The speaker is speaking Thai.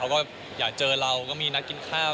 ก็อยากเจอเราก็มีนักกินข้าว